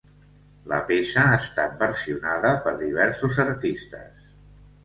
La peça ha estat versionada per diversos artistes.